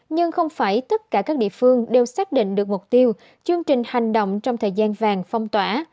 nhưng không phải tất cả các địa phương đều xác định được mục tiêu chương trình hành động trong thời gian vàng phong tỏa